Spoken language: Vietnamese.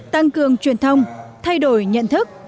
tăng cường truyền thông thay đổi nhận thức